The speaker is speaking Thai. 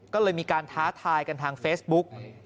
ก็เลยมีการท้าทายกันทางเฟซบุ๊ก